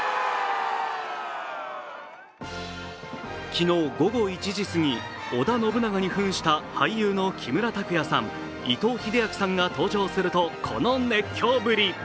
昨日午後１時すぎ織田信長にふんした俳優の木村拓哉さん伊藤英明さんが登場するとこの熱狂ぶり。